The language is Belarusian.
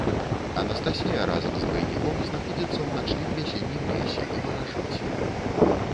Анастасія разам з двайніком знаходзіцца ў начным вясеннім лесе і варажыць.